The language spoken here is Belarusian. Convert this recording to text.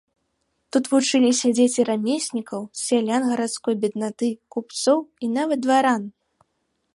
Тут вучыліся дзеці рамеснікаў, сялян, гарадской беднаты, купцоў і нават дваран.